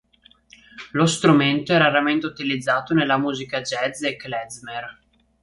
Lo strumento è raramente utilizzato nella musica jazz e klezmer.